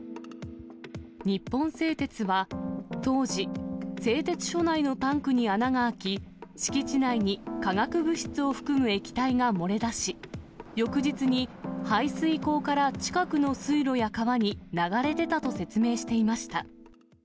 日本製鉄は当時、製鉄所内のタンクに穴が開き、敷地内に化学物質を含む液体が漏れ出し、翌日に排水口から近くの水路や川に流れ出たと説明していました。